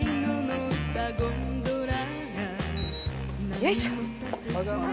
よいしょ！